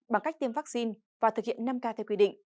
bằng cách tiêm vaccine và thực hiện năm k theo quy định